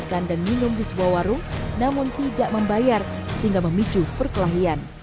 makan dan minum di sebuah warung namun tidak membayar sehingga memicu perkelahian